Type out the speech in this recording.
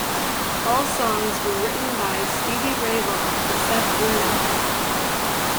All songs were written by Stevie Ray Vaughan except where noted.